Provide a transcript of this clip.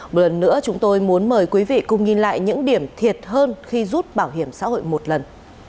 một lần nữa chúng tôi muốn mời quý vị cùng nhìn lại những điểm thiệt hơn khi rút bảo hiểm xã hội một lần